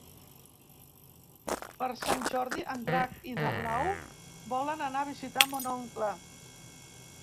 Per Sant Jordi en Drac i na Blau volen anar a visitar mon oncle.